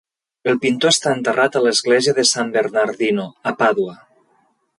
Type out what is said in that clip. El pintor està enterrat a l'església de San Bernardino, a Pàdua.